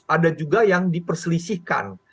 ada juga yang diperselisihkan